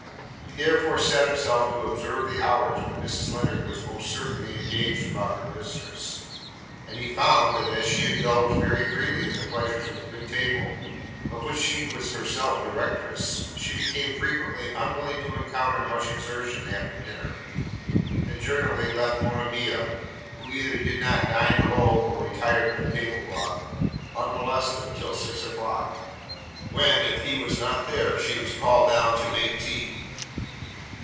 He therefore set himself to observe the hours when Mrs Lennard was most certainly engaged about her mistress; and he found, that as she indulged very freely in the pleasures of a good table, of which she was herself directress, she became frequently unwilling to encounter much exertion after dinner; and generally left Monimia (who either did not dine below, or retired with the table cloth) unmolested till six o'clock, when if he was not there, she was called down to make tea.